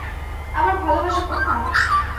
আমার ভালোবাসা কোথায়?